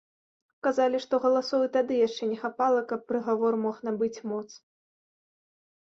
Казалі, што галасоў і тады яшчэ не хапала, каб прыгавор мог набыць моц.